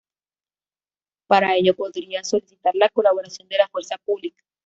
Para ello podrá solicitar la colaboración de la fuerza pública.